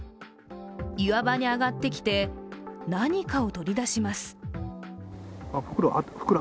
岩場に上がってきて何かを取り出します。